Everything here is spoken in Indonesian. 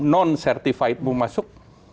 non certified mau masuk